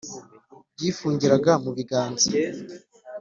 byifungiraga mu biganza